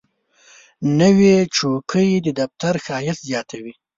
نوې چوکۍ د دفتر ښایست زیاتوي